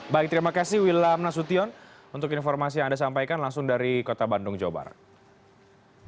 baik terima kasih wilam nasution untuk informasi yang anda sampaikan langsung dari kota bandung jawa barat